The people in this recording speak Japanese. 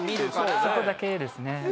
そこだけですね。